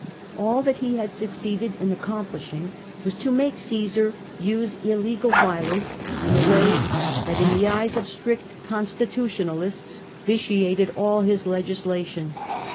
All that he had succeeded in accomplishing was to make Caesar use illegal violence in a way that in the eyes of strict constitutionalists vitiated all his legislation.